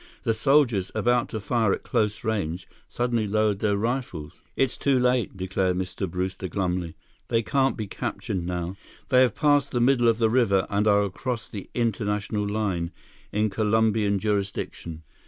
The soldiers, about to fire at close range, suddenly lowered their rifles. "It's too late," declared Mr. Brewster glumly. "They can't be captured now. They have passed the middle of the river and are across the international line, in Colombian jurisdiction."